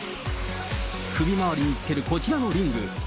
首回りにつけるこちらのリング。